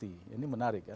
ini menarik kan